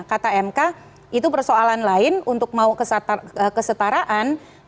kata mk itu persoalan lain untuk mau kesetaraan